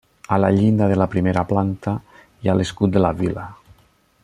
A la llinda de la primera planta hi ha l'escut de la vila.